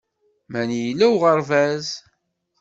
Mani yella uɣerbaz